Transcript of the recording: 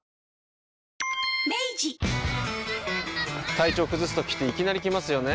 体調崩すときっていきなり来ますよね。